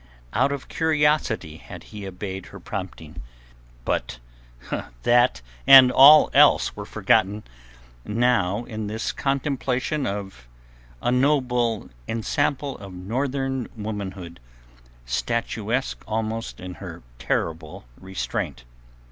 Out of curiosity had he obeyed her prompting. But that and all else were forgotten now in the contemplation of this noble ensample of Northern womanhood, statuesque almost in her terrible restraint.